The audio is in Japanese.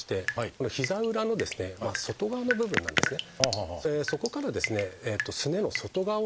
この膝の裏の外側の部分なんですね。